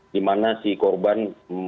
dimana si korban